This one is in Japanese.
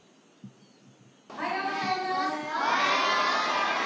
おはようございます。